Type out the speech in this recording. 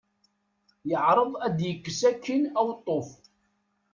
Yeɛreḍ ad yekkes akkin aweṭṭuf.